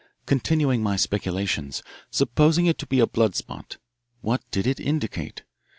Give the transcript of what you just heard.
Continuing my speculations, supposing it to be a blood spot, what did it indicate?